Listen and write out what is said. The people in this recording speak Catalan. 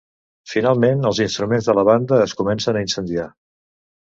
Finalment els instruments de la banda es comencen a incendiar.